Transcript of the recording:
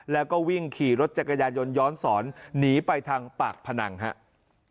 แล้วก็วิ่งขี่รถจักรยานยนต์ย้อนสอนหนีไปทางปากพนังครับ